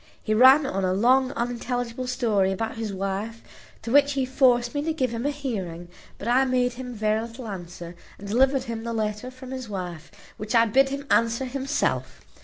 He ran on a long, unintelligible story about his wife, to which he forced me to give him a hearing; but I made him very little answer, and delivered him the letter from his wife, which I bid him answer himself.